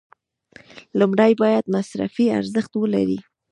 لومړی باید مصرفي ارزښت ولري.